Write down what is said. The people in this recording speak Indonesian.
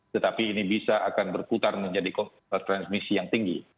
tetapi ini bisa akan berputar menjadi transmisi yang tinggi